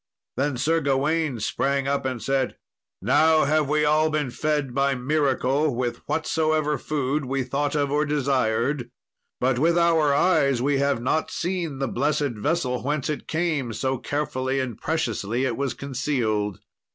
Then Sir Gawain sprang up and said, "Now have we all been fed by miracle with whatsoever food we thought of or desired; but with our eyes we have not seen the blessed vessel whence it came, so carefully and preciously it was concealed.